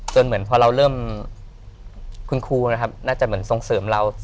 เหมือนพอเราเริ่มคุณครูนะครับน่าจะเหมือนทรงเสริมเรา